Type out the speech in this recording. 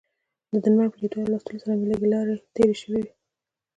د ډنمارک په لیدلو او لوستلو سره مې لږې لاړې تیرې شوې.